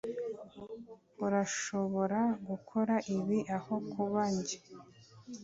urashobora gukora ibi aho kuba njye